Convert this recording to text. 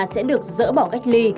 sẽ được dỡ bỏ cách ly